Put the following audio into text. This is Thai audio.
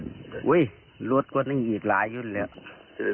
โอ้ยลดกว่านั่งอีกหลายด้วยเลย